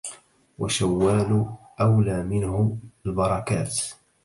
وشوّالُ أولى منهُ البركاتِ